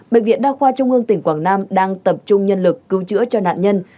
bệnh viện đa khoa trung ương tỉnh quảng nam đang tập trung nhân lực cứu chữa cho nạn nhân